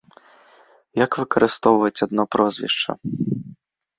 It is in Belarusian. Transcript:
Як выкарыстоўваць адно прозвішча?